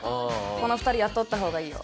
「この２人雇った方がいいよ」。